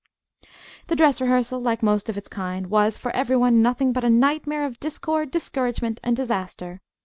The dress rehearsal, like most of its kind, was, for every one, nothing but a nightmare of discord, discouragement, and disaster.